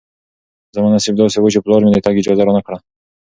زما نصیب داسې و چې پلار مې د تګ اجازه رانه کړه.